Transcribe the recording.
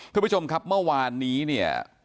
คุณผู้ชมครับเมื่อวานนี้เนี่ย